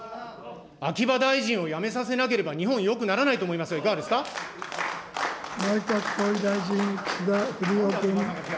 秋葉大臣を辞めさせなければ日本よくならないと思いますが、いか内閣総理大臣、岸田文雄君。